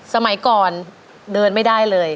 สมัยก่อนเดินไม่ได้เลย